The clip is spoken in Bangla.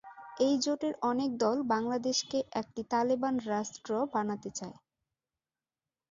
এই জোটের অনেক দল বাংলাদেশকে একটি তালেবান রাষ্ট্র বানাতে চায়।